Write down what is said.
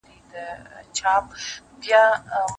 نه وه خوړلې. تفصیل یې د دې مضمون تر حوصلې وتلی دی.